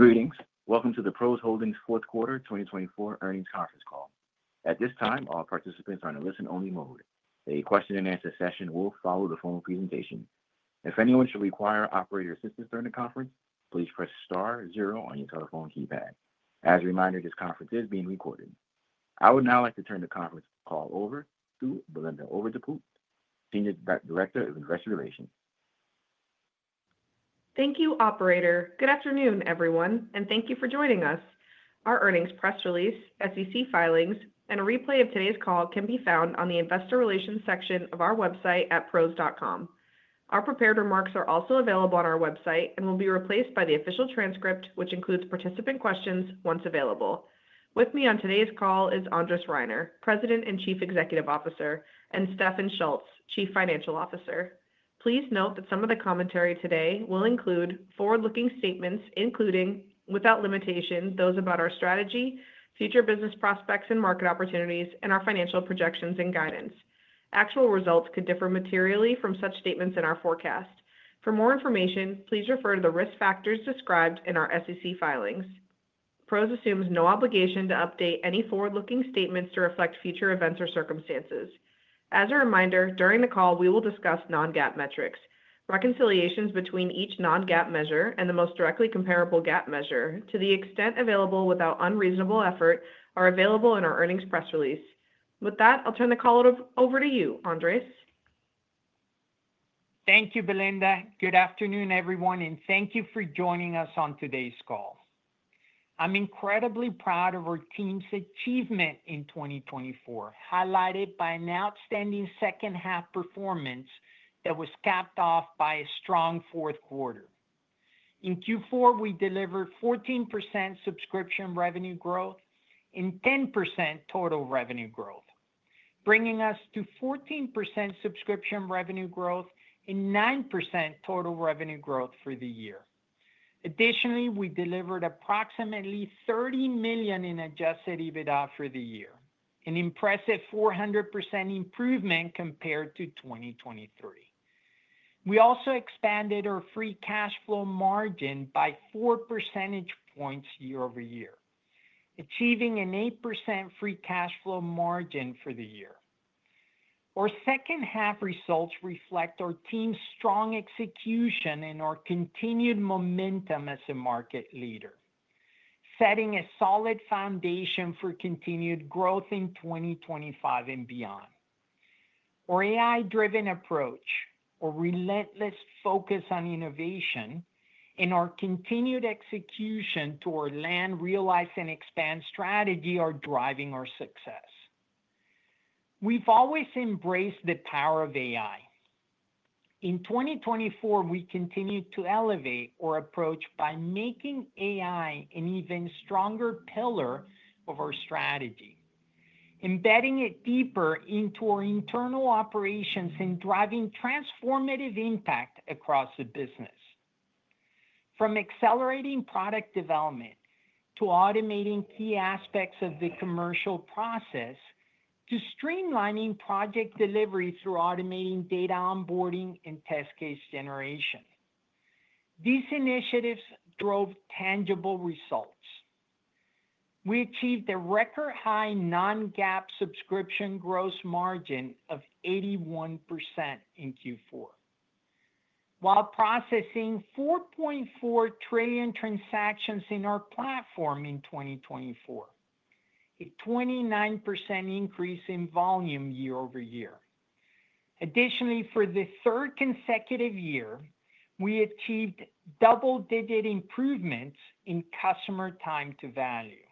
Greetings. Welcome to the PROS Holdings Fourth Quarter 2024 earnings conference call. At this time, all participants are in a listen-only mode. A question-and-answer session will follow the formal presentation. If anyone should require operator assistance during the conference, please press star zero on your telephone keypad. As a reminder, this conference is being recorded. I would now like to turn the conference call over to Belinda Overdeput, Senior Director of Investor Relations. Thank you, Operator. Good afternoon, everyone, and thank you for joining us. Our earnings press release, SEC filings, and a replay of today's call can be found on the Investor Relations section of our website at pros.com. Our prepared remarks are also available on our website and will be replaced by the official transcript, which includes participant questions once available. With me on today's call is Andres Reiner, President and Chief Executive Officer, and Stefan Schulz, Chief Financial Officer. Please note that some of the commentary today will include forward-looking statements including without limitations those about our strategy, future business prospects and market opportunities, and our financial projections and guidance. Actual results could differ materially from such statements in our forecast. For more information, please refer to the risk factors described in our SEC filings. PROS assumes no obligation to update any forward-looking statements to reflect future events or circumstances. As a reminder, during the call, we will discuss non-GAAP metrics. Reconciliations between each non-GAAP measure and the most directly comparable GAAP measure, to the extent available without unreasonable effort, are available in our earnings press release. With that, I'll turn the call over to you, Andres. Thank you, Belinda. Good afternoon, everyone, and thank you for joining us on today's call. I'm incredibly proud of our team's achievement in 2024, highlighted by an outstanding second-half performance that was capped off by a strong Q4. In Q4, we delivered 14% subscription revenue growth and 10% total revenue growth, bringing us to 14% subscription revenue growth and 9% total revenue growth for the year. Additionally, we delivered approximately $30 million in adjusted EBITDA for the year, an impressive 400% improvement compared to 2023. We also expanded our free cash flow margin by four percentage points year over year, achieving an 8% free cash flow margin for the year. Our second-half results reflect our team's strong execution and our continued momentum as a market leader, setting a solid foundation for continued growth in 2025 and beyond. Our AI-driven approach, our relentless focus on innovation, and our continued execution to our Land, Realize, and Expand strategy are driving our success. We've always embraced the power of AI. In 2024, we continue to elevate our approach by making AI an even stronger pillar of our strategy, embedding it deeper into our internal operations and driving transformative impact across the business. From accelerating product development to automating key aspects of the commercial process to streamlining project delivery through automating data onboarding and test case generation, these initiatives drove tangible results. We achieved a record-high Non-GAAP subscription gross margin of 81% in Q4, while processing 4.4 trillion transactions in our platform in 2024, a 29% increase in volume year-over-year. Additionally, for the third consecutive year, we achieved double-digit improvements in customer time to value.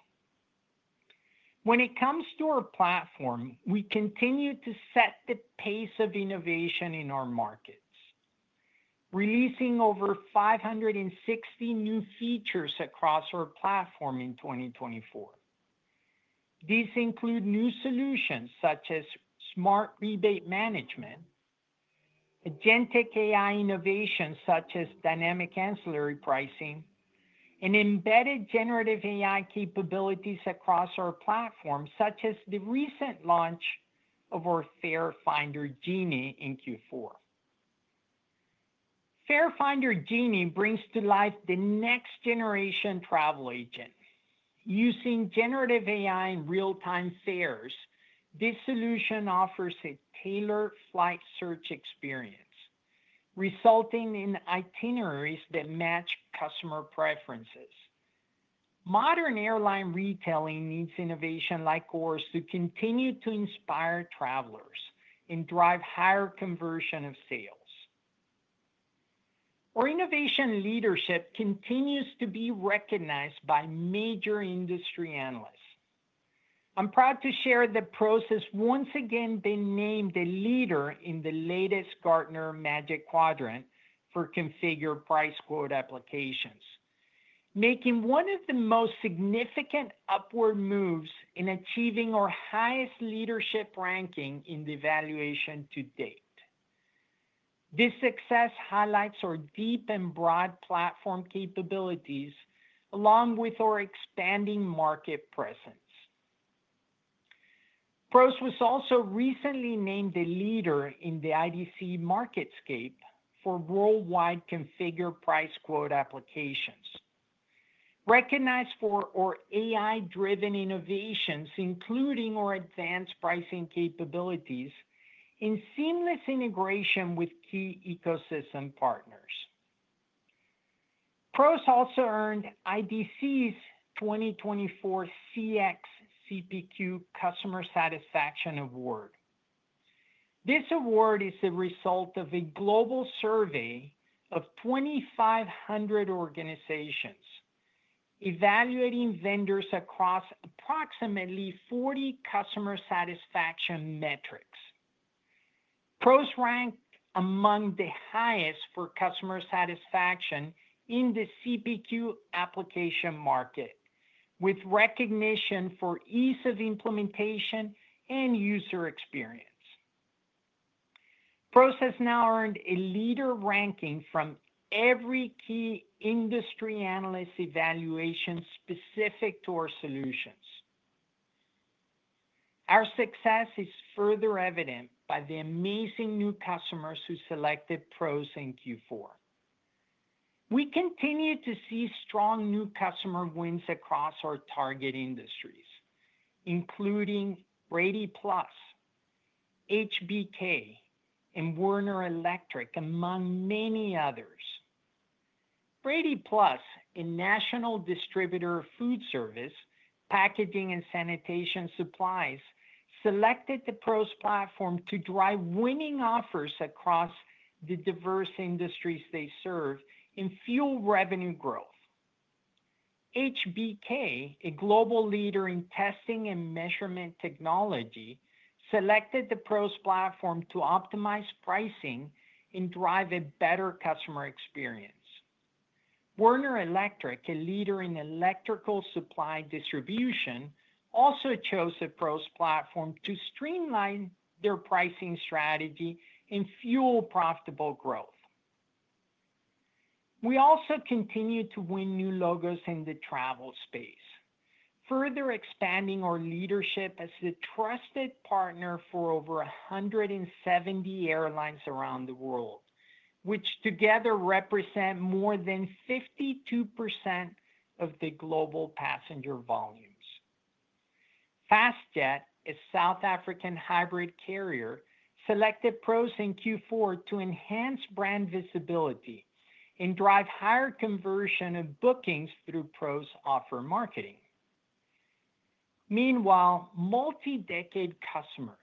When it comes to our platform, we continue to set the pace of innovation in our markets, releasing over 560 new features across our platform in 2024. These include new solutions such as Smart Rebate Management, Agentic AI innovations such as Dynamic Ancillary Pricing, and embedded Generative AI capabilities across our platform, such as the recent launch of our Fare Finder Genie in Q4. Fare Finder Genie brings to life the next-generation travel agent. Using Generative AI and real-time fares, this solution offers a tailored flight search experience, resulting in itineraries that match customer preferences. Modern airline retailing needs innovation like ours to continue to inspire travelers and drive higher conversion of sales. Our innovation leadership continues to be recognized by major industry analysts. I'm proud to share that PROS has once again been named a leader in the latest Gartner Magic Quadrant for Configure, Price, Quote applications, making one of the most significant upward moves in achieving our highest leadership ranking in the evaluation to date. This success highlights our deep and broad platform capabilities, along with our expanding market presence. PROS was also recently named a leader in the IDC MarketScape for worldwide Configure, Price, Quote applications, recognized for our AI-driven innovations, including our advanced pricing capabilities and seamless integration with key ecosystem partners. PROS also earned IDC's 2024 CX CPQ Customer Satisfaction Award. This award is the result of a global survey of 2,500 organizations evaluating vendors across approximately 40 customer satisfaction metrics. PROS ranked among the highest for customer satisfaction in the CPQ application market, with recognition for ease of implementation and user experience. PROS has now earned a leader ranking from every key industry analyst evaluation specific to our solutions. Our success is further evident by the amazing new customers who selected PROS in Q4. We continue to see strong new customer wins across our target industries, including BradyPLUS, HBK, and Werner Electric, among many others. BradyPLUS, a national distributor of food service, packaging, and sanitation supplies, selected the PROS Platform to drive winning offers across the diverse industries they serve and fuel revenue growth. HBK, a global leader in testing and measurement technology, selected the PROS Platform to optimize pricing and drive a better customer experience. Werner Electric, a leader in electrical supply distribution, also chose the PROS Platform to streamline their pricing strategy and fuel profitable growth. We also continue to win new logos in the travel space, further expanding our leadership as the trusted partner for over 170 airlines around the world, which together represent more than 52% of the global passenger volumes. Fastjet, a South African hybrid carrier, selected PROS in Q4 to enhance brand visibility and drive higher conversion of bookings through PROS Offer Marketing. Meanwhile, multi-decade customers,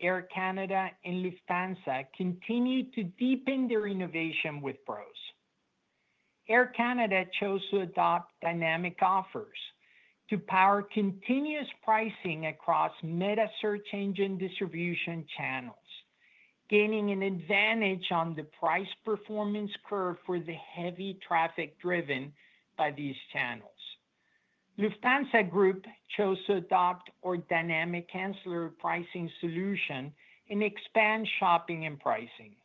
Air Canada and Lufthansa, continue to deepen their innovation with PROS. Air Canada chose to adopt Dynamic Offers to power continuous pricing across metasearch engine distribution channels, gaining an advantage on the price performance curve for the heavy traffic driven by these channels. Lufthansa Group chose to adopt our Dynamic Ancillary Pricing solution and expand shopping and pricing.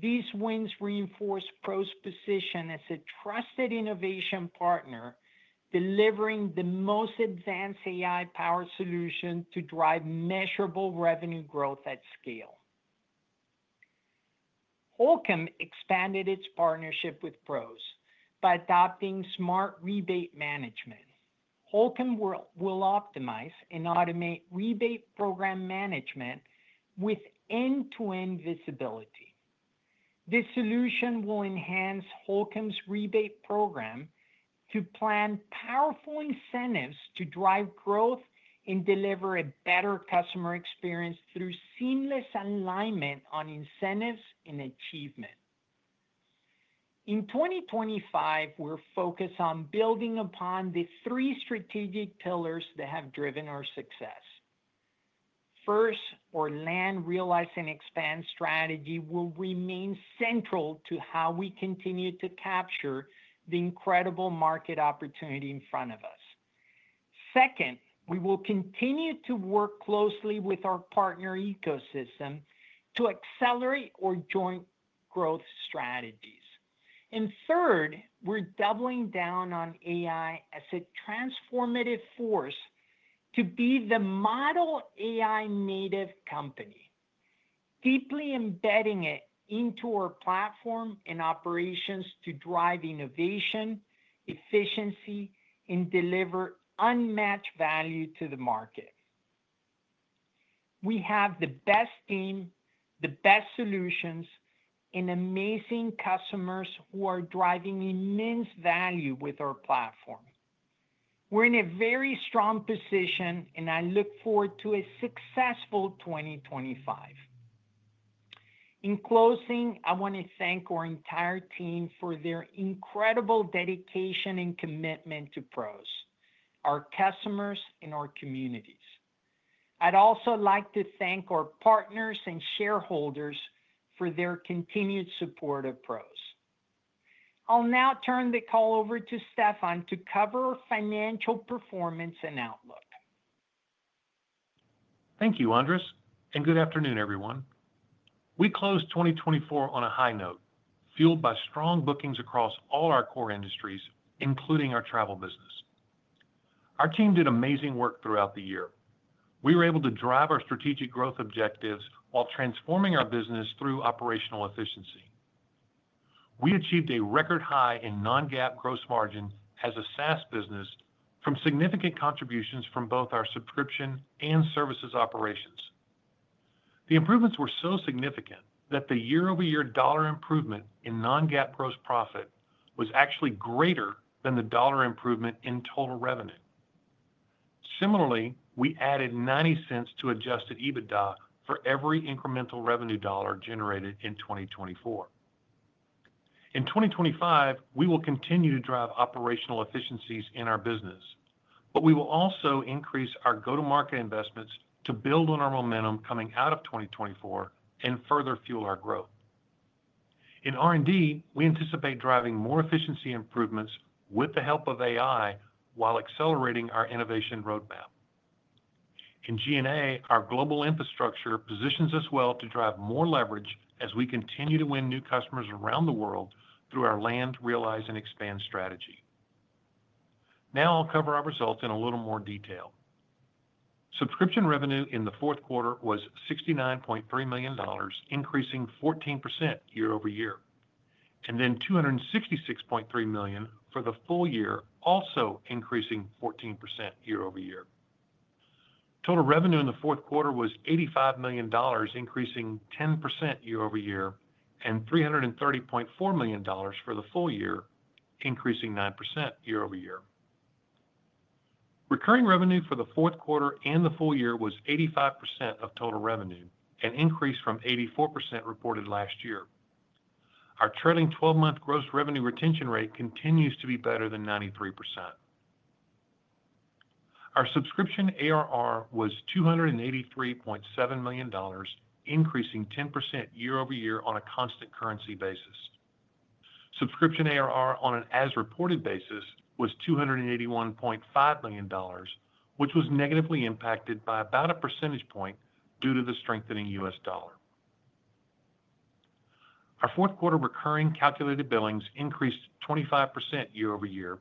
These wins reinforce PROS' position as a trusted innovation partner, delivering the most advanced AI-powered solution to drive measurable revenue growth at scale. Holcim expanded its partnership with PROS by adopting Smart Rebate Management. Holcim will optimize and automate rebate program management with end-to-end visibility. This solution will enhance Holcim's rebate program to plan powerful incentives to drive growth and deliver a better customer experience through seamless alignment on incentives and achievement. In 2025, we're focused on building upon the three strategic pillars that have driven our success. First, our land, realize, and expand strategy will remain central to how we continue to capture the incredible market opportunity in front of us. Second, we will continue to work closely with our partner ecosystem to accelerate our joint growth strategies. And third, we're doubling down on AI as a transformative force to be the model AI-native company, deeply embedding it into our platform and operations to drive innovation, efficiency, and deliver unmatched value to the market. We have the best team, the best solutions, and amazing customers who are driving immense value with our platform. We're in a very strong position, and I look forward to a successful 2025. In closing, I want to thank our entire team for their incredible dedication and commitment to PROS, our customers, and our communities. I'd also like to thank our partners and shareholders for their continued support of PROS. I'll now turn the call over to Stefan to cover our financial performance and outlook. Thank you, Andres, and good afternoon, everyone. We closed 2024 on a high note, fueled by strong bookings across all our core industries, including our travel business. Our team did amazing work throughout the year. We were able to drive our strategic growth objectives while transforming our business through operational efficiency. We achieved a record high in Non-GAAP gross margin as a SaaS business from significant contributions from both our subscription and services operations. The improvements were so significant that the year-over-year dollar improvement in Non-GAAP gross profit was actually greater than the dollar improvement in total revenue. Similarly, we added $0.90 to Adjusted EBITDA for every incremental revenue dollar generated in 2024. In 2025, we will continue to drive operational efficiencies in our business, but we will also increase our go-to-market investments to build on our momentum coming out of 2024 and further fuel our growth. In R&D, we anticipate driving more efficiency improvements with the help of AI while accelerating our innovation roadmap. In G&A, our global infrastructure positions us well to drive more leverage as we continue to win new customers around the world through our Land, Realize, and Expand strategy. Now I'll cover our results in a little more detail. Subscription revenue in the Q4 was $69.3 million, increasing 14% year-over-year, and then $266.3 million for the full year, also increasing 14% year-over-year. Total revenue in the Q4 was $85 million, increasing 10% year-over-year, and $330.4 million for the full year, increasing 9% year-over-year. Recurring revenue for the Q4 and the full year was 85% of total revenue, an increase from 84% reported last year. Our trailing 12-month gross revenue retention rate continues to be better than 93%. Our subscription ARR was $283.7 million, increasing 10% year-over-year on a constant currency basis. Subscription ARR on an as-reported basis was $281.5 million, which was negatively impacted by about a percentage point due to the strengthening U.S. dollar. Our Q4 recurring calculated billings increased 25% year-over-year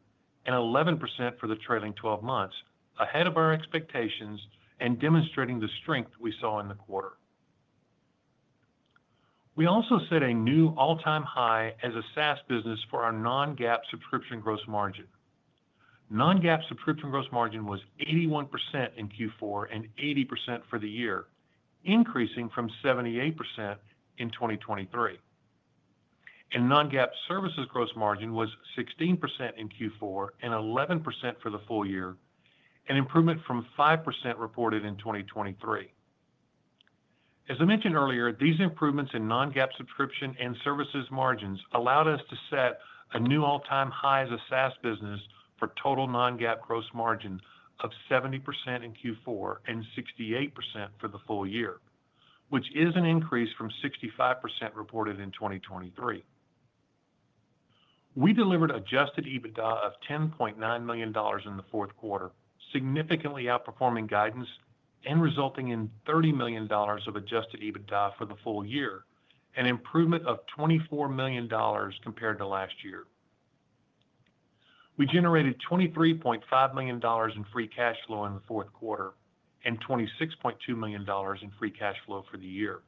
and 11% for the trailing 12 months, ahead of our expectations and demonstrating the strength we saw in the quarter. We also set a new all-time high as a SaaS business for our non-GAAP subscription gross margin. Non-GAAP subscription gross margin was 81% in Q4 and 80% for the year, increasing from 78% in 2023, and non-GAAP services gross margin was 16% in Q4 and 11% for the full year, an improvement from 5% reported in 2023. As I mentioned earlier, these improvements in non-GAAP subscription and services margins allowed us to set a new all-time high as a SaaS business for total non-GAAP gross margin of 70% in Q4 and 68% for the full year, which is an increase from 65% reported in 2023. We delivered adjusted EBITDA of $10.9 million in the Q4, significantly outperforming guidance and resulting in $30 million of adjusted EBITDA for the full year, an improvement of $24 million compared to last year. We generated $23.5 million in free cash flow in the Q4 and $26.2 million in free cash flow for the year,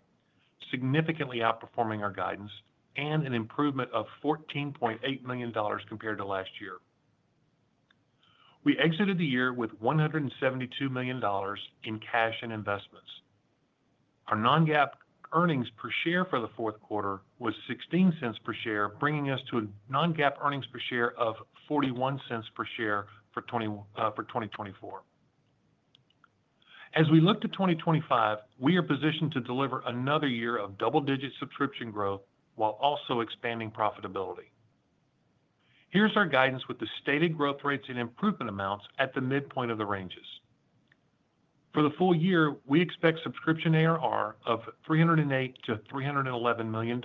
significantly outperforming our guidance and an improvement of $14.8 million compared to last year. We exited the year with $172 million in cash and investments. Our Non-GAAP earnings per share for the Q4 was $0.16 per share, bringing us to Non-GAAP earnings per share of $0.41 per share for 2024. As we look to 2025, we are positioned to deliver another year of double-digit subscription growth while also expanding profitability. Here's our guidance with the stated growth rates and improvement amounts at the midpoint of the ranges. For the full year, we expect subscription ARR of $308 to 311 million,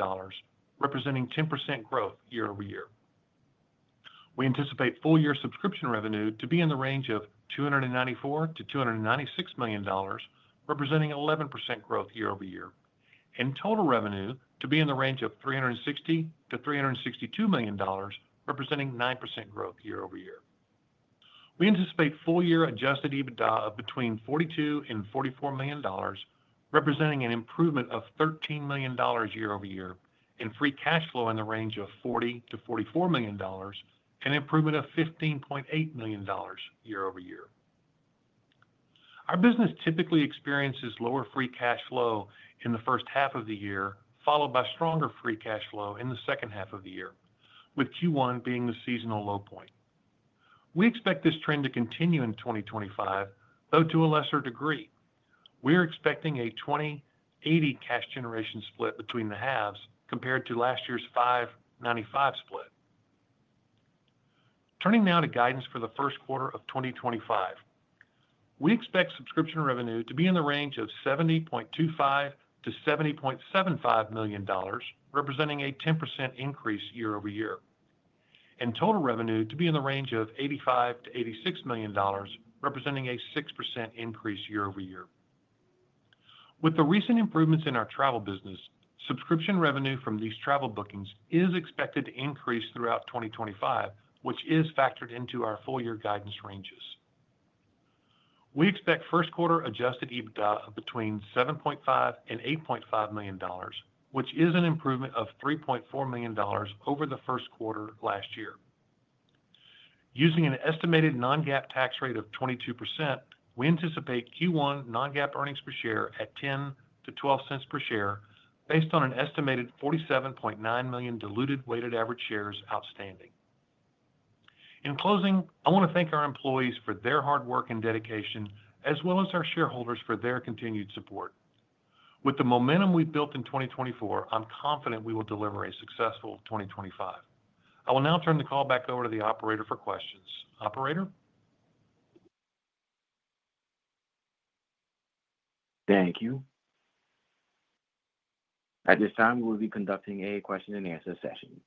representing 10% growth year-over-year. We anticipate full-year subscription revenue to be in the range of $294 to 296 million, representing 11% growth year-over-year, and total revenue to be in the range of $360 to 362 million, representing 9% growth year-over-year. We anticipate full-year Adjusted EBITDA of between $42 and $44 million, representing an improvement of $13 million year-over-year, and Free Cash Flow in the range of $40 to 44 million, an improvement of $15.8 million year-over-year. Our business typically experiences lower Free Cash Flow in the first half of the year, followed by stronger Free Cash Flow in the second half of the year, with Q1 being the seasonal low point. We expect this trend to continue in 2025, though to a lesser degree. We are expecting a 20/80 cash generation split between the halves compared to last year's 5/95 split. Turning now to guidance for the Q1 of 2025, we expect subscription revenue to be in the range of $70.25 to $70.75 million, representing a 10% increase year-over-year, and total revenue to be in the range of $85 to $86 million, representing a 6% increase year-over-year. With the recent improvements in our travel business, subscription revenue from these travel bookings is expected to increase throughout 2025, which is factored into our full-year guidance ranges. We expect Q1 Adjusted EBITDA of between $7.5 and $8.5 million, which is an improvement of $3.4 million over the Q1 last year. Using an estimated non-GAAP tax rate of 22%, we anticipate Q1 non-GAAP earnings per share at $0.10 to $0.12 per share, based on an estimated 47.9 million diluted weighted average shares outstanding. In closing, I want to thank our employees for their hard work and dedication, as well as our shareholders for their continued support. With the momentum we've built in 2024, I'm confident we will deliver a successful 2025. I will now turn the call back over to the operator for questions. Operator? Thank you. At this time, we will be conducting a question-and-answer session.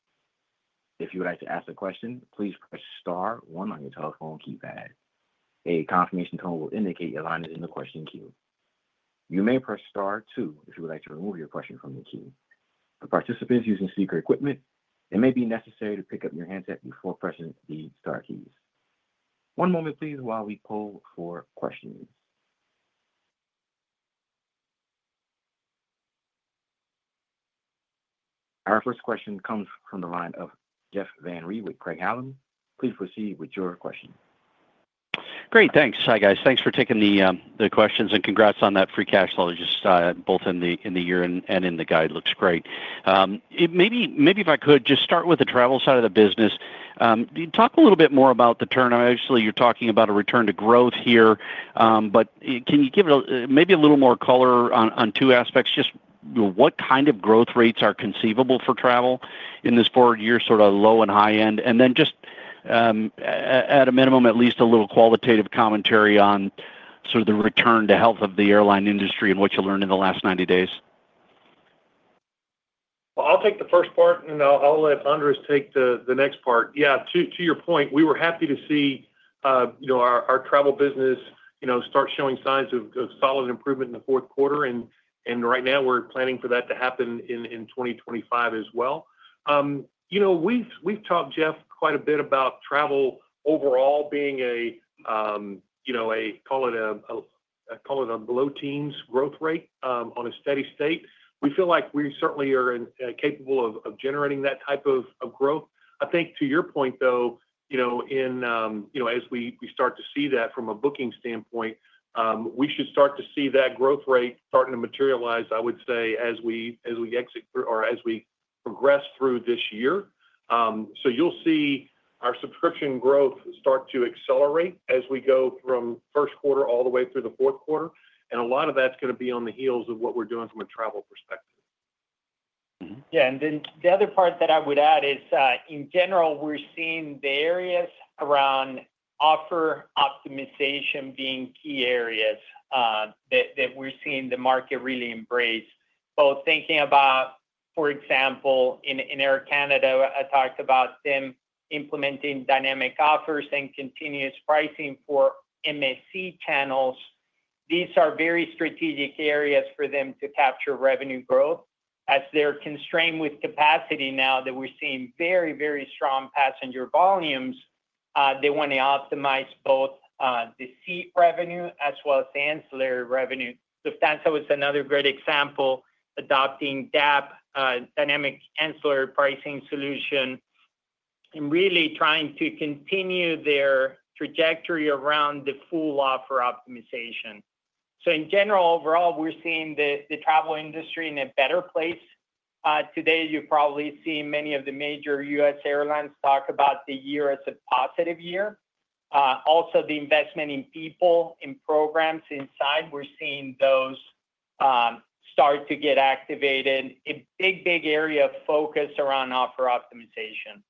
If you would like to ask a question, please press Star 1 on your telephone keypad. A confirmation tone will indicate your line is in the question queue. You may press Star 2 if you would like to remove your question from the queue. For participants using speaker equipment, it may be necessary to pick up your handset before pressing the Star keys. One moment, please, while we pull for questions. Our first question comes from the line of Jeff Van Rhee with Craig-Hallum Capital Group. Please proceed with your question. Great. Thanks, hi guys. Thanks for taking the questions and congrats on that free cash flow, just both in the year and in the guide. Looks great. Maybe if I could just start with the travel side of the business, talk a little bit more about the turn. Obviously, you're talking about a return to growth here, but can you give it maybe a little more color on two aspects? Just what kind of growth rates are conceivable for travel in this four-year sort of low and high end? And then just at a minimum, at least a little qualitative commentary on sort of the return to health of the airline industry and what you learned in the last 90 days. I'll take the first part, and I'll let Andres take the next part. Yeah, to your point, we were happy to see our travel business start showing signs of solid improvement in the Q4. Right now, we're planning for that to happen in 2025 as well. We've talked, Jeff, quite a bit about travel overall being a, call it a below teens growth rate on a steady state. We feel like we certainly are capable of generating that type of growth. I think to your point, though, as we start to see that from a booking standpoint, we should start to see that growth rate starting to materialize, I would say, as we exit or as we progress through this year. You'll see our subscription growth start to accelerate as we go from Q1 all the way through the Q4. And a lot of that's going to be on the heels of what we're doing from a travel perspective. Yeah. And then the other part that I would add is, in general, we're seeing the areas around offer optimization being key areas that we're seeing the market really embrace, both thinking about, for example, in Air Canada, I talked about them implementing dynamic offers and continuous pricing for MSE channels. These are very strategic areas for them to capture revenue growth. As they're constrained with capacity now that we're seeing very, very strong passenger volumes, they want to optimize both the seat revenue as well as the ancillary revenue. So that was another great example, Dynamic Ancillary Pricing solution and really trying to continue their trajectory around the full offer optimization. So in general, overall, we're seeing the travel industry in a better place. Today, you're probably seeing many of the major U.S. airlines talk about the year as a positive year. Also, the investment in people, in programs inside, we're seeing those start to get activated. A big, big area of focus around offer optimization.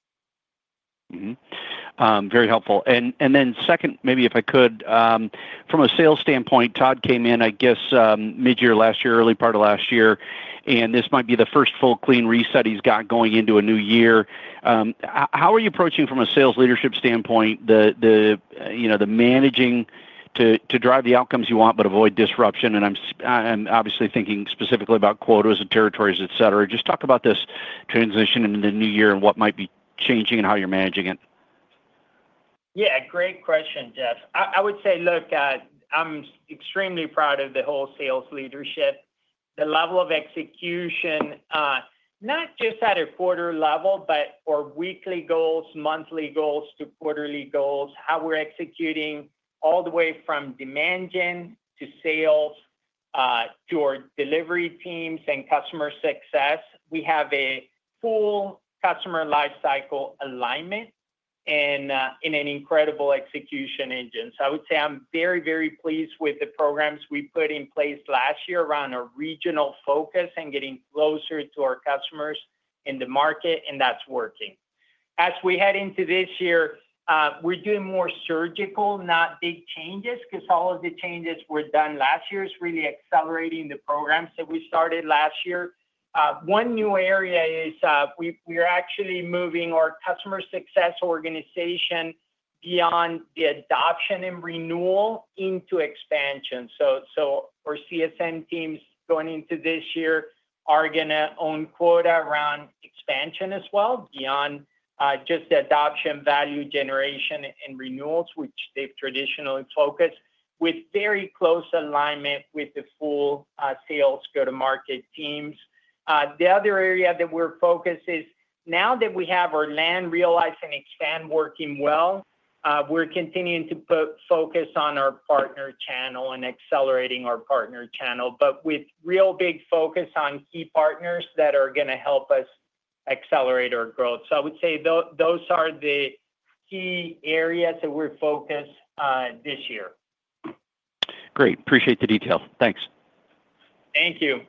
Very helpful. And then, second, maybe if I could, from a sales standpoint, Todd came in, I guess, mid-year last year, early part of last year, and this might be the first full clean reset he's got going into a new year. How are you approaching from a sales leadership standpoint the managing to drive the outcomes you want but avoid disruption? And I'm obviously thinking specifically about quotas and territories, etc. Just talk about this transition into the new year and what might be changing and how you're managing it. Yeah. Great question, Jeff. I would say, look, I'm extremely proud of the whole sales leadership. The level of execution, not just at a quarter level, but for weekly goals, monthly goals, to quarterly goals, how we're executing all the way from demand gen to sales to our delivery teams and customer success. We have a full customer lifecycle alignment and an incredible execution engine. So I would say I'm very, very pleased with the programs we put in place last year around our regional focus and getting closer to our customers in the market, and that's working. As we head into this year, we're doing more surgical, not big changes, because all of the changes we've done last year is really accelerating the programs that we started last year. One new area is we're actually moving our customer success organization beyond the adoption and renewal into expansion. Our CSM teams going into this year are going to own quota around expansion as well, beyond just the adoption value generation and renewals, which they've traditionally focused with very close alignment with the full sales go-to-market teams. The other area that we're focused is now that we have our Land, Realize, and Expand working well, we're continuing to focus on our partner channel and accelerating our partner channel, but with real big focus on key partners that are going to help us accelerate our growth. I would say those are the key areas that we're focused on this year. Great. Appreciate the detail. Thanks. Thank you.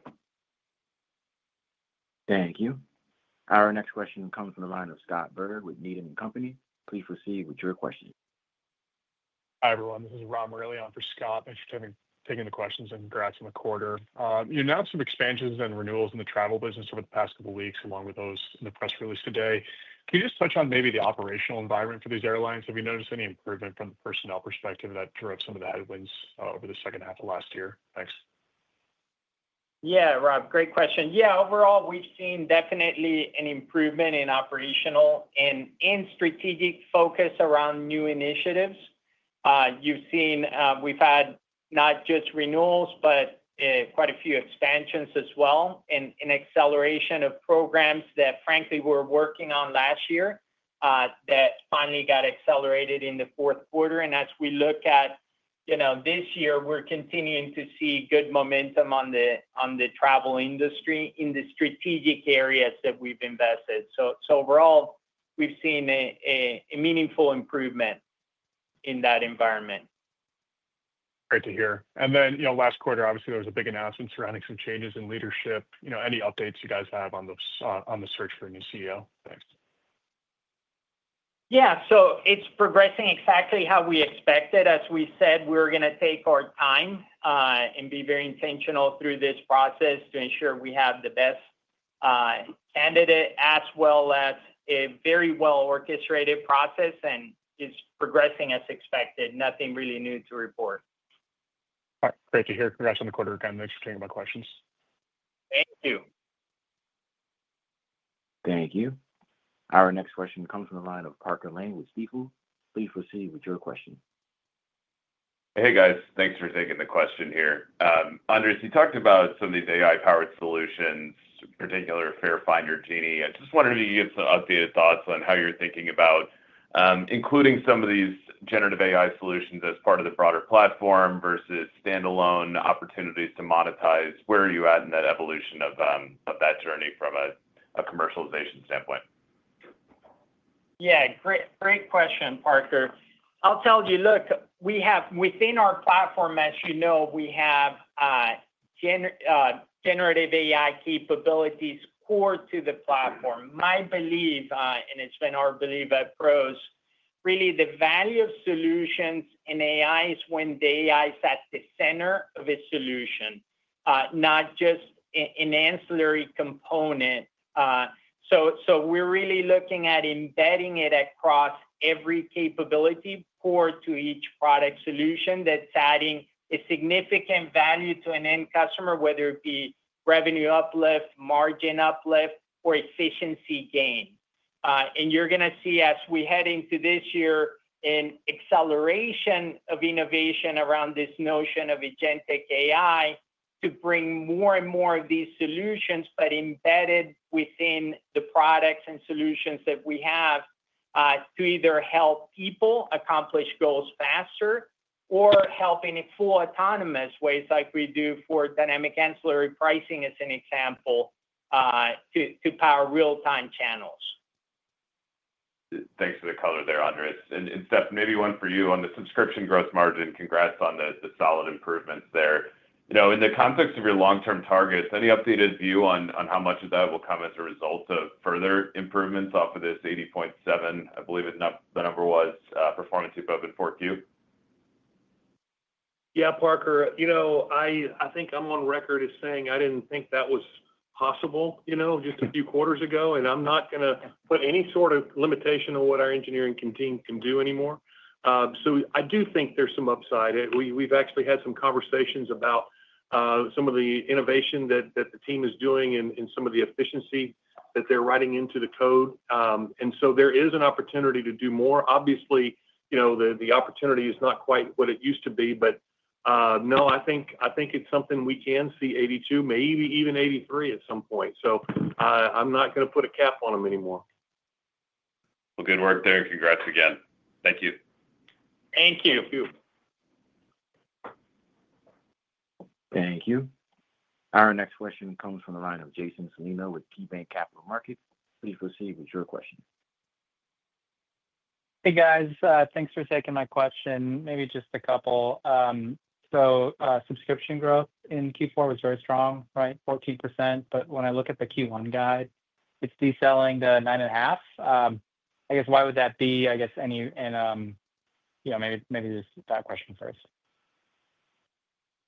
Thank you. Our next question comes from the line of Scott Berg with Needham & Company. Please proceed with your question. Hi everyone. This is Rob Morelli on for Scott. Thanks for taking the questions and congrats on the quarter. You announced some expansions and renewals in the travel business over the past couple of weeks, along with those in the press release today. Can you just touch on maybe the operational environment for these airlines? Have you noticed any improvement from the personnel perspective that drove some of the headwinds over the second half of last year? Thanks. Yeah, Rob, great question. Yeah, overall, we've seen definitely an improvement in operational and in strategic focus around new initiatives. You've seen we've had not just renewals, but quite a few expansions as well and acceleration of programs that, frankly, we're working on last year that finally got accelerated in the Q4, and as we look at this year, we're continuing to see good momentum on the travel industry in the strategic areas that we've invested, so overall, we've seen a meaningful improvement in that environment. Great to hear. And then last quarter, obviously, there was a big announcement surrounding some changes in leadership. Any updates you guys have on the search for a new CEO? Thanks. Yeah, so it's progressing exactly how we expected. As we said, we're going to take our time and be very intentional through this process to ensure we have the best candidate as well as a very well-orchestrated process and is progressing as expected. Nothing really new to report. All right. Great to hear. Congrats on the quarter again. Thanks for taking my questions. Thank you. Thank you. Our next question comes from the line of Parker Lane with Stifel. Please proceed with your question. Hey, guys. Thanks for taking the question here. Andres, you talked about some of these AI-powered solutions, particularly Fare Finder Genie. I just wondered if you could give some updated thoughts on how you're thinking about including some of these generative AI solutions as part of the broader platform versus standalone opportunities to monetize. Where are you at in that evolution of that journey from a commercialization standpoint? Yeah. Great question, Parker. I'll tell you, look, within our platform, as you know, we have generative AI capabilities core to the platform. My belief, and it's been our belief at PROS, really the value of solutions in AI is when the AI is at the center of a solution, not just an ancillary component. So we're really looking at embedding it across every capability core to each product solution that's adding a significant value to an end customer, whether it be revenue uplift, margin uplift, or efficiency gain. And, you're going to see, as we head into this year, an acceleration of innovation around this notion of Agentic AI to bring more and more of these solutions, but embedded within the products and solutions that we have to either help people accomplish goals faster or help in full autonomous ways like we do for Dynamic Ancillary Pricing, as an example, to power real-time channels. Thanks for the color there, Andres. Steph, maybe one for you on the subscription growth margin. Congrats on the solid improvements there. In the context of your long-term targets, any updated view on how much of that will come as a result of further improvements off of this 80.7%, I believe the number was, performance you've both been enforcing? Yeah, Parker. I think I'm on record as saying I didn't think that was possible just a few quarters ago, and I'm not going to put any sort of limitation on what our engineering team can do anymore. So I do think there's some upside. We've actually had some conversations about some of the innovation that the team is doing and some of the efficiency that they're writing into the code. And so there is an opportunity to do more. Obviously, the opportunity is not quite what it used to be, but no, I think it's something we can see 82, maybe even 83 at some point. So I'm not going to put a cap on them anymore. Well, good work there. Congrats again. Thank you. Thank you. Thank you. Our next question comes from the line of Jason Celino with KeyBanc Capital Markets. Please proceed with your question. Hey, guys. Thanks for taking my question. Maybe just a couple. So subscription growth in Q4 was very strong, right? 14%. But when I look at the Q1 guidance, it's decelerating to 9.5%. I guess why would that be? I guess maybe just that question first.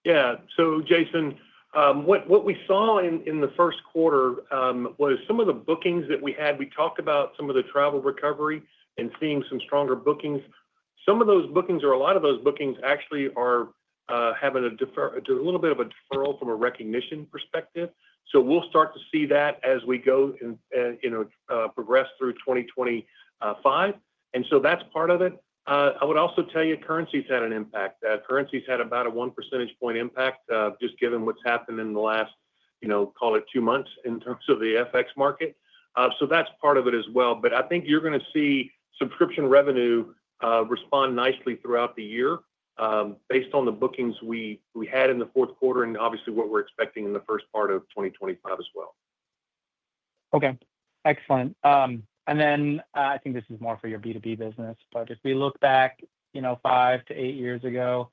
Yeah. So Jason, what we saw in the Q1 was some of the bookings that we had. We talked about some of the travel recovery and seeing some stronger bookings. Some of those bookings, or a lot of those bookings actually are having a little bit of a deferral from a recognition perspective, so we'll start to see that as we go and progress through 2025, and so that's part of it. I would also tell you currencies had an impact. Currencies had about a 1 percentage point impact just given what's happened in the last, call it, two months in terms of the FX market, so that's part of it as well. But I think you're going to see subscription revenue respond nicely throughout the year based on the bookings we had in the Q4 and obviously what we're expecting in the first part of 2025 as well. Okay. Excellent. And then I think this is more for your B2B business, but if we look back five to eight years ago,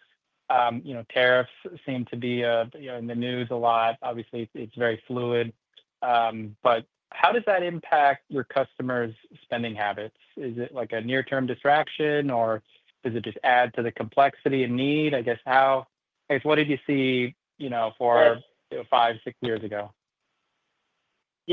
tariffs seem to be in the news a lot. Obviously, it's very fluid. But how does that impact your customers' spending habits? Is it like a near-term distraction, or does it just add to the complexity and need? I guess what did you see four, five, six years ago?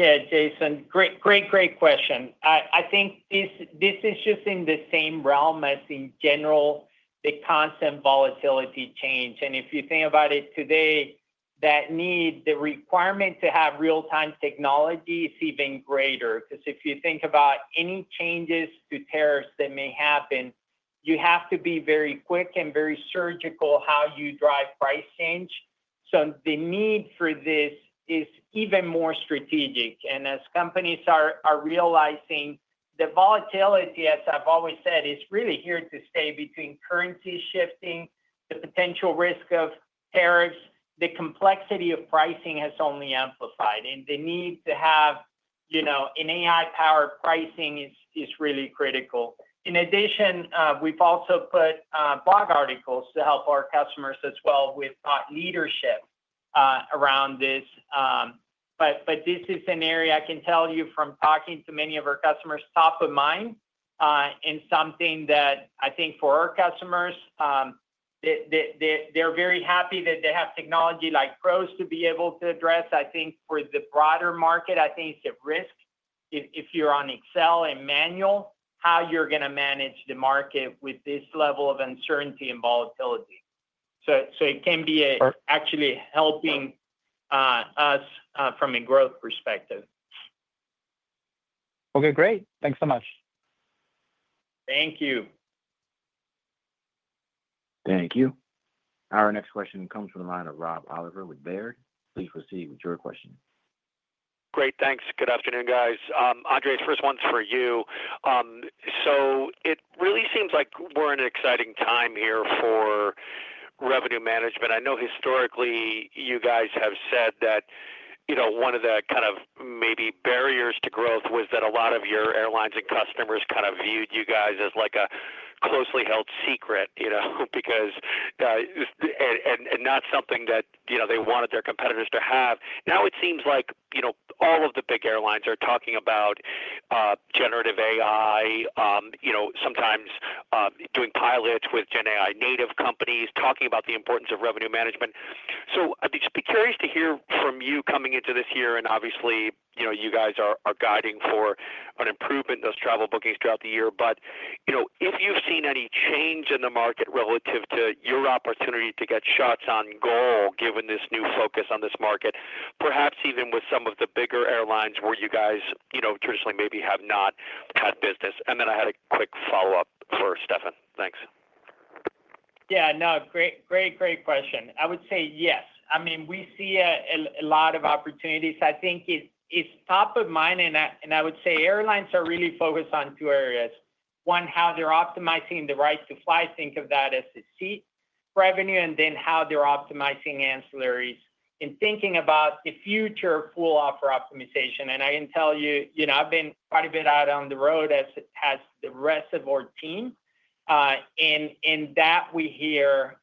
Yeah, Jason. Great, great, great question. I think this is just in the same realm as, in general, the constant volatility change, and if you think about it today, that need, the requirement to have real-time technology is even greater because if you think about any changes to tariffs that may happen, you have to be very quick and very surgical how you drive price change, so the need for this is even more strategic, and as companies are realizing, the volatility, as I've always said, is really here to stay between currency shifting, the potential risk of tariffs. The complexity of pricing has only amplified, and the need to have an AI-powered pricing is really critical. In addition, we've also put blog articles to help our customers as well with thought leadership around this. But this is an area I can tell you from talking to many of our customers, top of mind and something that I think for our customers, they're very happy that they have technology like PROS to be able to address. I think for the broader market, I think it's at risk if you're on Excel and manual how you're going to manage the market with this level of uncertainty and volatility. So it can be actually helping us from a growth perspective. Okay. Great. Thanks so much. Thank you. Thank you. Our next question comes from the line of Rob Oliver with Baird. Please proceed with your question. Great. Thanks. Good afternoon, guys. Andres, first one's for you. So it really seems like we're in an exciting time here for revenue management. I know historically you guys have said that one of the kind of maybe barriers to growth was that a lot of your airlines and customers kind of viewed you guys as like a closely held secret because and not something that they wanted their competitors to have. Now it seems like all of the big airlines are talking about generative AI, sometimes doing pilots with GenAI native companies, talking about the importance of revenue management. So I'd just be curious to hear from you coming into this year. And obviously, you guys are guiding for an improvement in those travel bookings throughout the year. But if you've seen any change in the market relative to your opportunity to get shots on goal given this new focus on this market, perhaps even with some of the bigger airlines where you guys traditionally maybe have not had business? And then I had a quick follow-up for Stefan. Thanks. Yeah. No, great, great question. I would say yes. I mean, we see a lot of opportunities. I think it's top of mind. And I would say airlines are really focused on two areas. One, how they're optimizing the right to fly. Think of that as a seat revenue. And then how they're optimizing ancillaries and thinking about the future of full offer optimization. And I can tell you I've been quite a bit out on the road as the rest of our team. And that we hear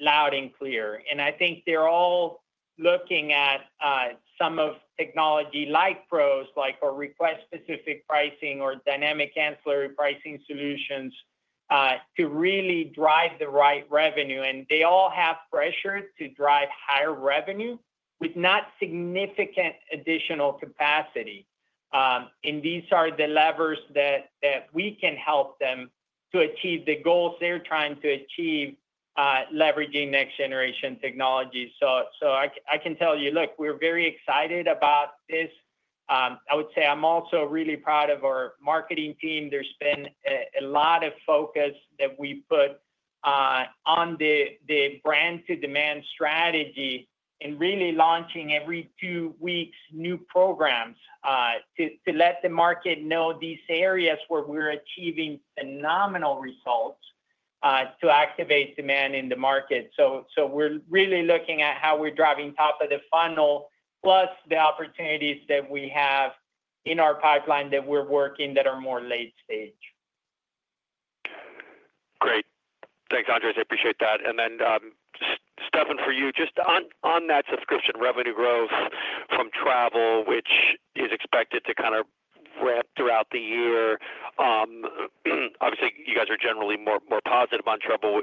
loud and clear. And I think they're all looking at some of technology like PROS, like our Request-Specific Pricing or Dynamic Ancillary Pricing solutions to really drive the right revenue. And they all have pressure to drive higher revenue with not significant additional capacity. And these are the levers that we can help them to achieve the goals they're trying to achieve leveraging next-generation technology. So I can tell you, look, we're very excited about this. I would say I'm also really proud of our marketing team. There's been a lot of focus that we put on the brand-to-demand strategy and really launching every two weeks new programs to let the market know these areas where we're achieving phenomenal results to activate demand in the market. So we're really looking at how we're driving top of the funnel, plus the opportunities that we have in our pipeline that we're working that are more late stage. Great. Thanks, Andres. I appreciate that. And then Stefan, for you, just on that subscription revenue growth from travel, which is expected to kind of ramp throughout the year, obviously, you guys are generally more positive on travel,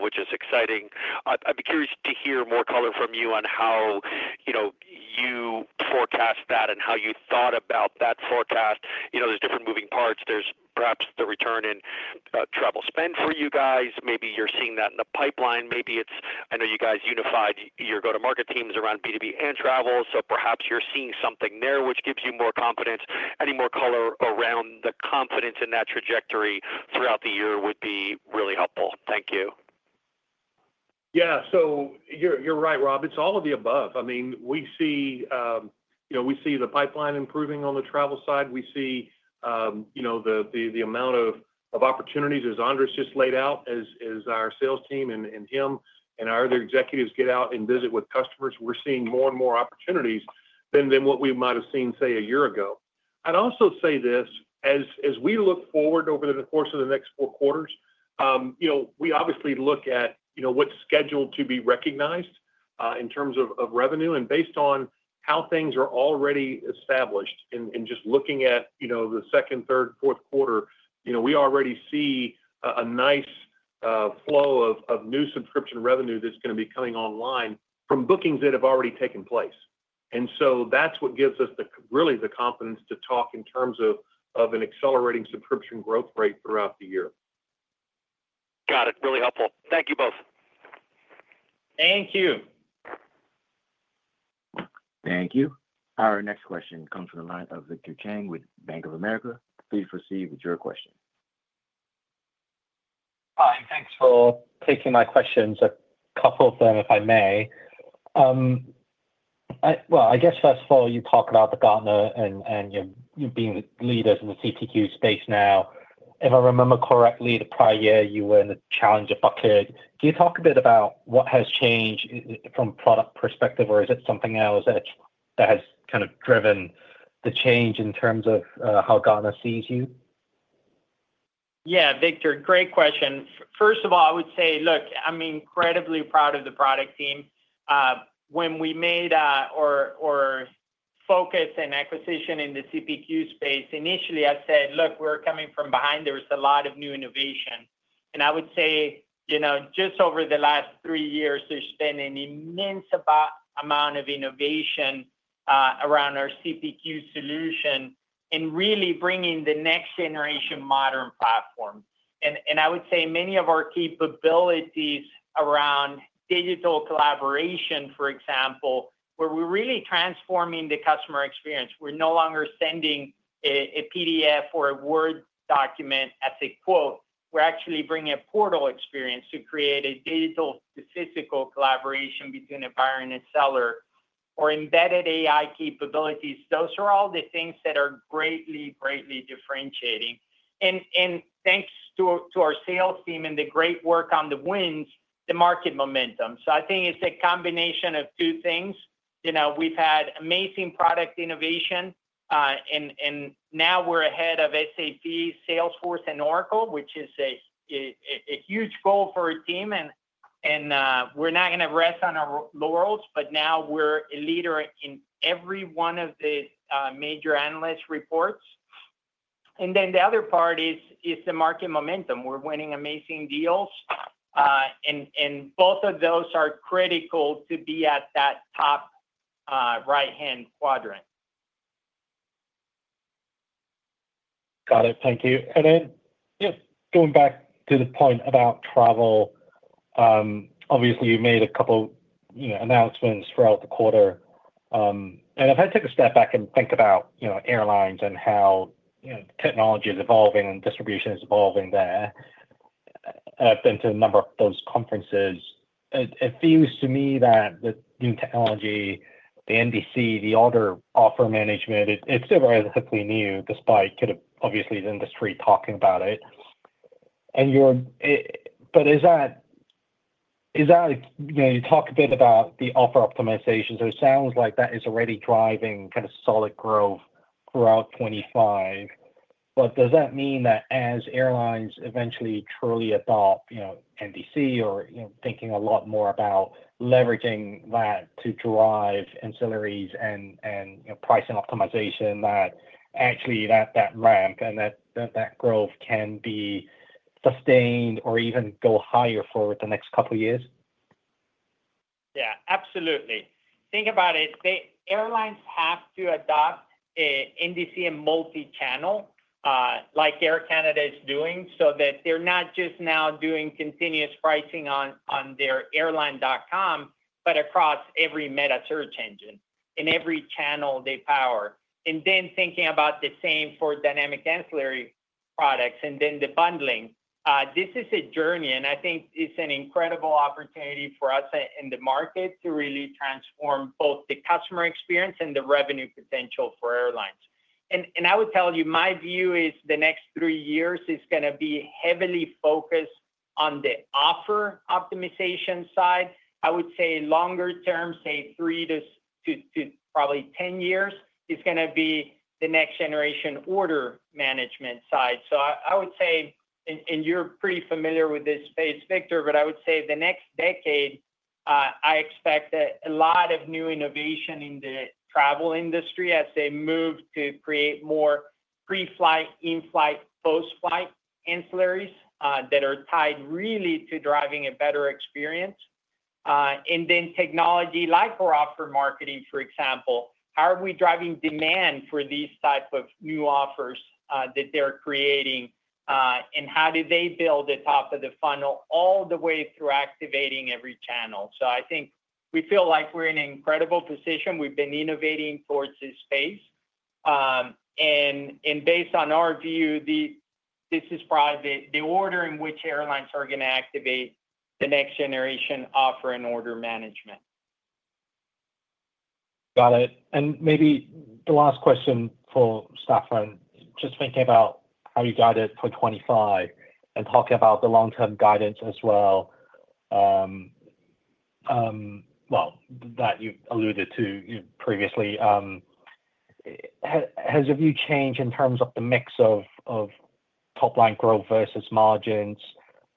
which is exciting. I'd be curious to hear more color from you on how you forecast that and how you thought about that forecast. There's different moving parts. There's perhaps the return in travel spend for you guys. Maybe you're seeing that in the pipeline. I know you guys unified your go-to-market teams around B2B and travel. So perhaps you're seeing something there, which gives you more confidence. Any more color around the confidence in that trajectory throughout the year would be really helpful. Thank you. Yeah, so you're right, Rob. It's all of the above. I mean, we see the pipeline improving on the travel side. We see the amount of opportunities, as Andres just laid out, as our sales team and him and our other executives get out and visit with customers. We're seeing more and more opportunities than what we might have seen, say, a year ago. I'd also say this. As we look forward over the course of the next four quarters, we obviously look at what's scheduled to be recognized in terms of revenue, and based on how things are already established and just looking at the second, third, Q4, we already see a nice flow of new subscription revenue that's going to be coming online from bookings that have already taken place. And so that's what gives us really the confidence to talk in terms of an accelerating subscription growth rate throughout the year. Got it. Really helpful. Thank you both. Thank you. Thank you. Our next question comes from the line of Victor Cheng with Bank of America. Please proceed with your question. Hi. Thanks for taking my questions. A couple of them, if I may. I guess first of all, you talk about the Gartner and you being leaders in the CPQ space now. If I remember correctly, the prior year, you were in the Challenger bucket. Can you talk a bit about what has changed from a product perspective, or is it something else that has kind of driven the change in terms of how Gartner sees you? Yeah, Victor, great question. First of all, I would say, look, I'm incredibly proud of the product team. When we made our focus and acquisition in the CPQ space, initially, I said, "Look, we're coming from behind. There's a lot of new innovation." And I would say just over the last three years, there's been an immense amount of innovation around our CPQ solution and really bringing the next-generation modern platform. And I would say many of our capabilities around digital collaboration, for example, where we're really transforming the customer experience. We're no longer sending a PDF or a Word document as a quote. We're actually bringing a portal experience to create a digital-to-physical collaboration between a buyer and a seller or embedded AI capabilities. Those are all the things that are greatly, greatly differentiating. Thanks to our sales team and the great work on the wins, the market momentum. I think it's a combination of two things. We've had amazing product innovation, and now we're ahead of SAP, Salesforce, and Oracle, which is a huge goal for our team. We're not going to rest on our laurels, but now we're a leader in every one of the major analyst reports. The other part is the market momentum. We're winning amazing deals. Both of those are critical to be at that top right-hand quadrant. Got it. Thank you. And then just going back to the point about travel, obviously, you made a couple of announcements throughout the quarter. And if I take a step back and think about airlines and how technology is evolving and distribution is evolving there, I've been to a number of those conferences. It feels to me that the new technology, the NDC, the order offer management, it's still relatively new despite obviously the industry talking about it. But is that you talk a bit about the offer optimizations, so it sounds like that is already driving kind of solid growth throughout 2025. But does that mean that as airlines eventually truly adopt NDC or thinking a lot more about leveraging that to drive ancillaries and pricing optimization, that actually that ramp and that growth can be sustained or even go higher for the next couple of years? Yeah, absolutely. Think about it. Airlines have to adopt NDC and multichannel like Air Canada is doing so that they're not just now doing continuous pricing on their airline.com, but across every metasearch engine and every channel they power, and then thinking about the same for dynamic ancillary products and then the bundling. This is a journey, and I think it's an incredible opportunity for us in the market to really transform both the customer experience and the revenue potential for airlines, and I would tell you my view is the next three years is going to be heavily focused on the offer optimization side. I would say longer term, say three to probably 10 years, is going to be the next-generation order management side. So I would say, and you're pretty familiar with this space, Victor, but I would say the next decade, I expect a lot of new innovation in the travel industry as they move to create more pre-flight, in-flight, post-flight ancillaries that are tied really to driving a better experience. And then technology like our offer marketing, for example, how are we driving demand for these types of new offers that they're creating? And how do they build the top of the funnel all the way through activating every channel? So I think we feel like we're in an incredible position. We've been innovating towards this space. And based on our view, this is probably the order in which airlines are going to activate the next-generation offer and order management. Got it. And maybe the last question for Stefan, just thinking about how you guided for 2025 and talking about the long-term guidance as well. Well, that you alluded to previously. Has your view changed in terms of the mix of top-line growth versus margins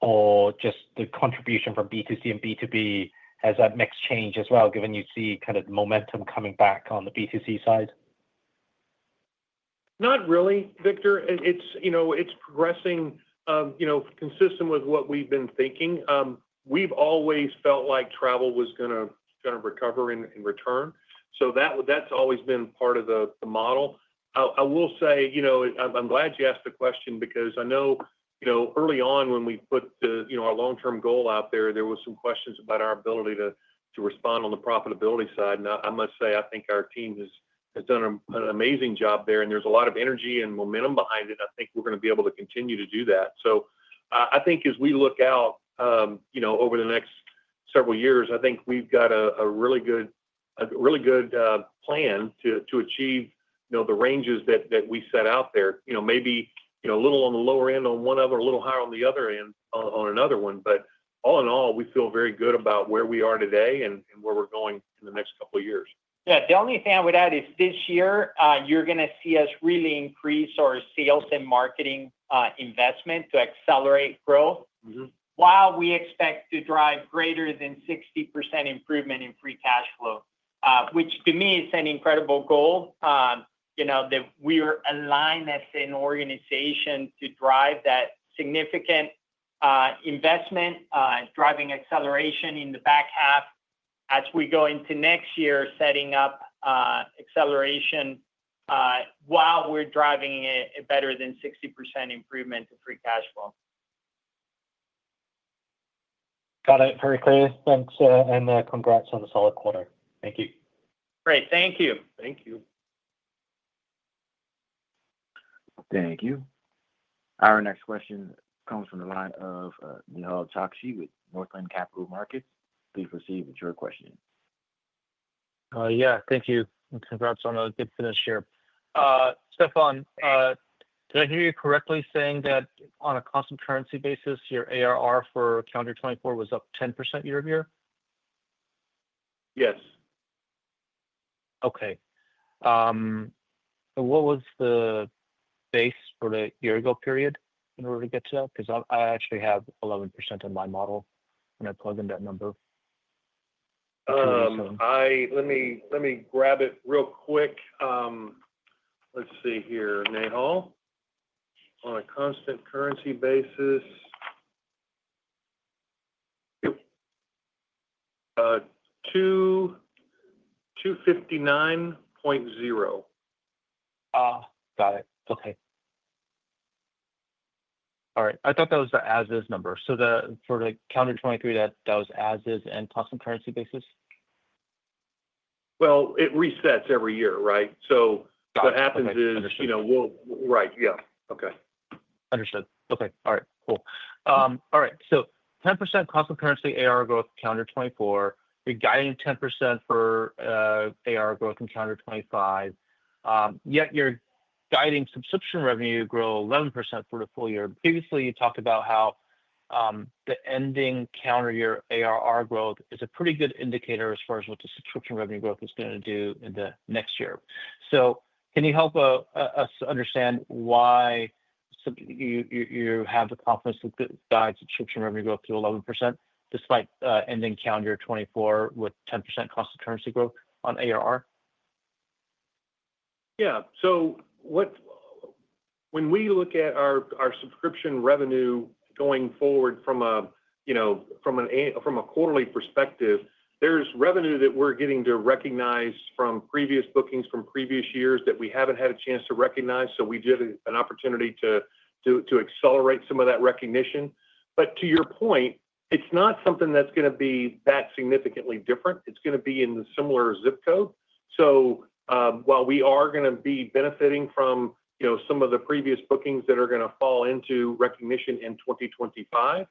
or just the contribution from B2C and B2B? Has that mix changed as well, given you see kind of the momentum coming back on the B2C side? Not really, Victor. It's progressing consistent with what we've been thinking. We've always felt like travel was going to recover and return. So that's always been part of the model. I will say I'm glad you asked the question because I know early on when we put our long-term goal out there, there were some questions about our ability to respond on the profitability side. And I must say, I think our team has done an amazing job there. And there's a lot of energy and momentum behind it. I think we're going to be able to continue to do that. So I think as we look out over the next several years, I think we've got a really good plan to achieve the ranges that we set out there. Maybe a little on the lower end on one of them, a little higher on the other end on another one. But all in all, we feel very good about where we are today and where we're going in the next couple of years. Yeah. The only thing I would add is this year, you're going to see us really increase our sales and marketing investment to accelerate growth while we expect to drive greater than 60% improvement in free cash flow, which to me is an incredible goal that we are aligned as an organization to drive that significant investment, driving acceleration in the back half as we go into next year, setting up acceleration while we're driving a better than 60% improvement to free cash flow. Got it. Very clear. Thanks. And congrats on the solid quarter. Thank you. Great. Thank you. Thank you. Thank you. Our next question comes from the line of Nehal Chokshi with Northland Capital Markets. Please proceed with your question. Yeah. Thank you. Congrats on a good finish here. Stefan, did I hear you correctly saying that on a constant currency basis, your ARR for calendar 2024 was up 10% year over year? Yes. Okay. What was the base for the year-ago period in order to get to that? Because I actually have 11% in my model when I plug in that number. Let me grab it real quick. Let's see here. Nehal, on a constant currency basis, 259.0. Got it. Okay. All right. I thought that was the as-is number. So for the calendar 2023, that was as-is and constant currency basis? Well, it resets every year, right? So what happens is we'll. Understood. Right. Yeah. Okay. Understood. Okay. All right. Cool. All right. So 10% constant currency ARR growth calendar 2024. You're guiding 10% for ARR growth in calendar 2025. Yet you're guiding subscription revenue to grow 11% for the full year. Previously, you talked about how the ending calendar year ARR growth is a pretty good indicator as far as what the subscription revenue growth is going to do in the next year. So can you help us understand why you have the confidence to guide subscription revenue growth to 11% despite ending calendar 2024 with 10% constant currency growth on ARR? Yeah. So when we look at our subscription revenue going forward from a quarterly perspective, there's revenue that we're getting to recognize from previous bookings from previous years that we haven't had a chance to recognize. So we did an opportunity to accelerate some of that recognition. But to your point, it's not something that's going to be that significantly different. It's going to be in the similar zip code. So while we are going to be benefiting from some of the previous bookings that are going to fall into recognition in 2025,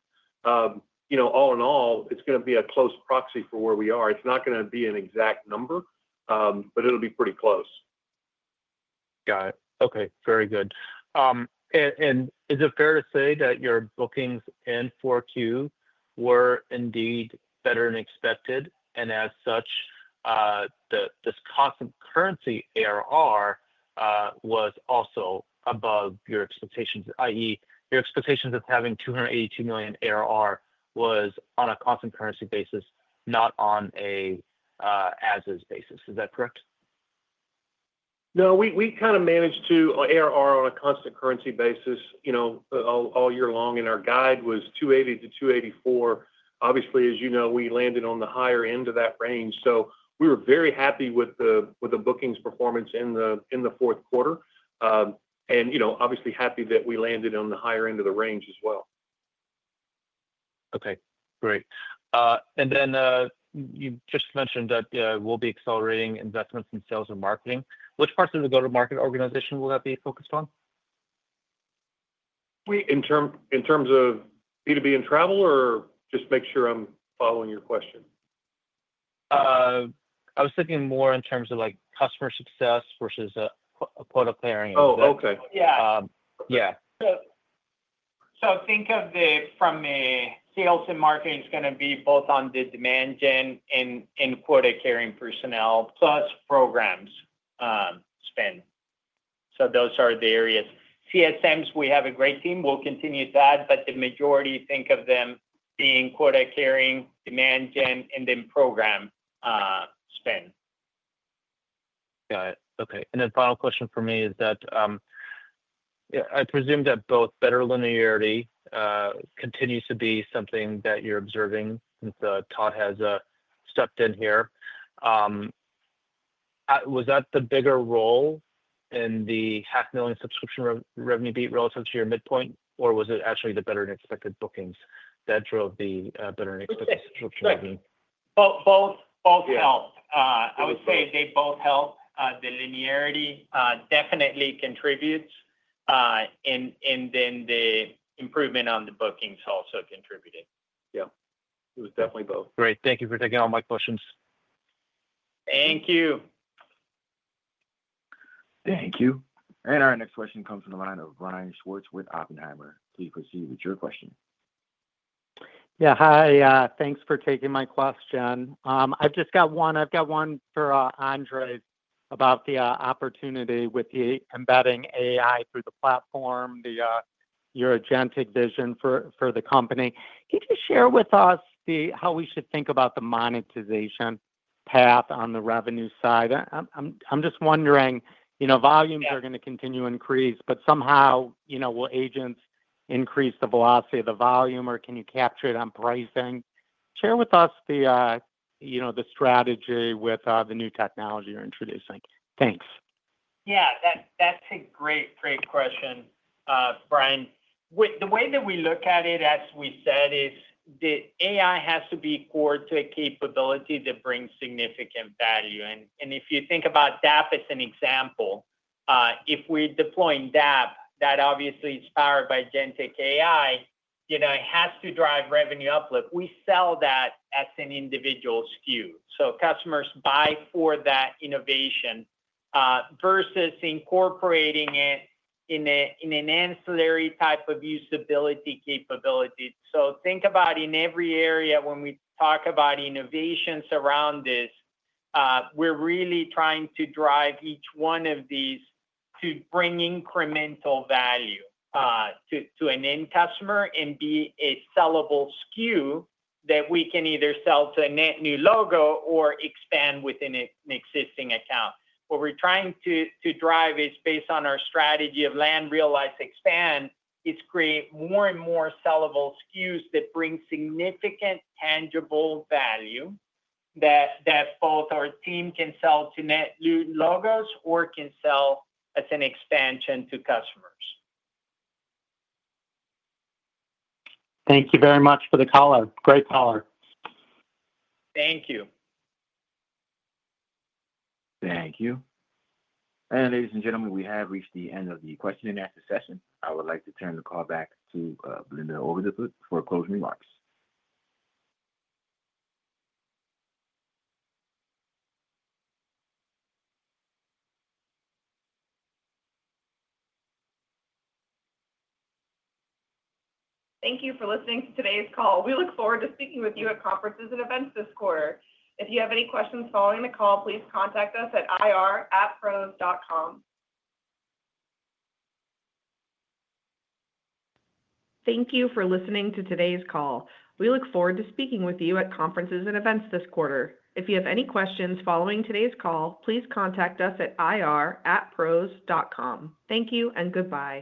all in all, it's going to be a close proxy for where we are. It's not going to be an exact number, but it'll be pretty close. Got it. Okay. Very good. And is it fair to say that your bookings in 2024 were indeed better than expected? And as such, this constant currency ARR was also above your expectations, i.e., your expectations of having $282 million ARR was on a constant currency basis, not on an as-is basis. Is that correct? No, we kind of managed to ARR on a constant currency basis all year long, and our guide was 280-284. Obviously, as you know, we landed on the higher end of that range, so we were very happy with the bookings performance in the Q4 and obviously happy that we landed on the higher end of the range as well. Okay. Great. And then you just mentioned that we'll be accelerating investments in sales and marketing. Which parts of the go-to-market organization will that be focused on? In terms of B2B and travel or just make sure I'm following your question? I was thinking more in terms of customer success versus quota carrying personnel. So think of them from a sales and marketing is going to be both on the demand gen and quota carrying personnel plus programs spend. So those are the areas. CSMs, we have a great team. We'll continue to add, but the majority think of them being quota carrying, demand gen, and then program spend. Got it. Okay. And then final question for me is that I presume that both better linearity continues to be something that you're observing since Todd has stepped in here. Was that the bigger role in the half-million subscription revenue beat relative to your midpoint, or was it actually the better-than-expected bookings that drove the better-than-expected subscription revenue? Both help. I would say they both help. The linearity definitely contributes, and then the improvement on the bookings also contributed. Yeah. It was definitely both. Great. Thank you for taking all my questions. Thank you. Thank you. And our next question comes from the line of Brian Schwartz with Oppenheimer. Please proceed with your question. Yeah. Hi. Thanks for taking my question. I've just got one. I've got one for Andres about the opportunity with the embedding AI through the platform, your agentic vision for the company. Could you share with us how we should think about the monetization path on the revenue side? I'm just wondering, volumes are going to continue to increase, but somehow, will agents increase the velocity of the volume, or can you capture it on pricing? Share with us the strategy with the new technology you're introducing. Thanks. Yeah. That's a great, great question, Brian. The way that we look at it, as we said, is the AI has to be core to a capability that brings significant value, and if you think about DAP as an example, if we're deploying DAP, that obviously is powered by generative AI, it has to drive revenue uplift. We sell that as an individual SKU, so customers buy for that innovation versus incorporating it in an ancillary type of usability capability, so think about in every area when we talk about innovations around this, we're really trying to drive each one of these to bring incremental value to an end customer and be a sellable SKU that we can either sell to a net new logo or expand within an existing account. What we're trying to drive is based on our strategy of Land, Realize, Expand, is create more and more sellable SKUs that bring significant tangible value that both our team can sell to net new logos or can sell as an expansion to customers. Thank you very much for the color. Great color. Thank you. Thank you. And ladies and gentlemen, we have reached the end of the question-and-answer session. I would like to turn the call back to Belinda Overdeput for closing remarks. Thank you for listening to today's call. We look forward to speaking with you at conferences and events this quarter. If you have any questions following the call, please contact us at ir@pros.com. Thank you for listening to today's call. We look forward to speaking with you at conferences and events this quarter. If you have any questions following today's call, please contact us at ir@pros.com. Thank you and goodbye.